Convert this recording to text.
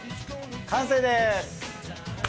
完成です。